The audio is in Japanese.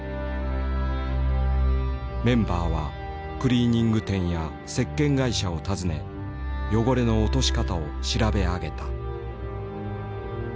メンバーはクリーニング店やせっけん会社を訪ね汚れの落とし方を調べ上げた。